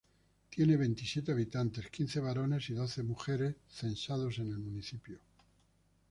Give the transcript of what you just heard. Tiene veintisiete habitantes, quince varones y doce mujeres censados en el municipio.